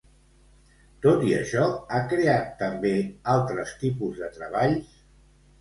Tot i això, ha creat també altres tipus de treballs?